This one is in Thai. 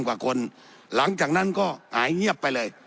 กว่าคนหลังจากนั้นก็หายเงียบไปเลย